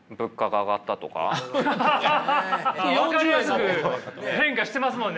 分かりやすく変化してますもんね！